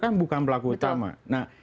kan bukan pelaku utama